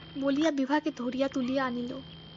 বলিয়া বিভাকে ধরিয়া তুলিয়া আনিল।